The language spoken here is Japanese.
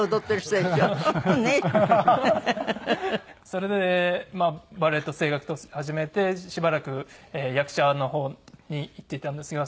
それでバレエと声楽と始めてしばらく役者の方にいっていたんですが。